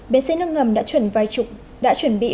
bến xe nước ngầm đã chuẩn bị